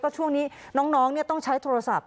ช่วงนี้น้องต้องใช้โทรศัพท์